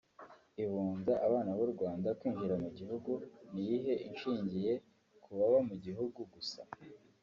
ibunza abanaburwanda kwinjiramugihungu niyihe inshingiye kubabamugihungu gusa